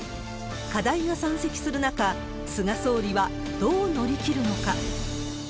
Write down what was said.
課題が山積する中、菅総理はどう乗り切るのか。